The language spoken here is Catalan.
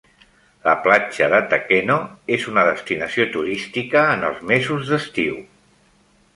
La platja de Takeno és una destinació turística en els mesos d'estiu.